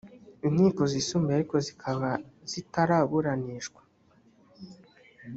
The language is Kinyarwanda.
inkiko zisumbuye ariko zikaba zitaraburanishwa